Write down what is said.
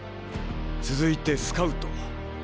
続いてスカウト。